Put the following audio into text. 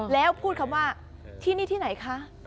ท่านคุดทีนี้ที่ไหนคะ